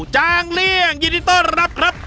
จางเลี่ยงยินดีต้อนรับครับ